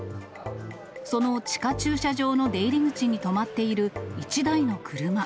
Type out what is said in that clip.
その地下駐車場の出入り口に止まっている一台の車。